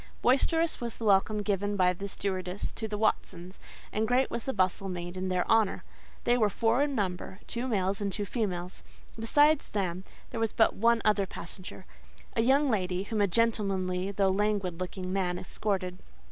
Boisterous was the welcome given by the stewardess to the "Watsons," and great was the bustle made in their honour. They were four in number, two males and two females. Besides them, there was but one other passenger—a young lady, whom a gentlemanly, though languid looking man escorted.